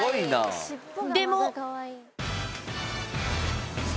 でも。